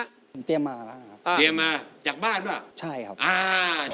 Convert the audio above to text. ผมเตรียมมาแล้วครับครับจากบ้านหรือเปล่าใช่ครับ